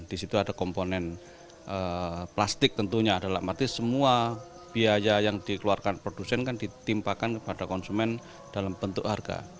di situ ada komponen plastik tentunya dalam arti semua biaya yang dikeluarkan produsen kan ditimpakan kepada konsumen dalam bentuk harga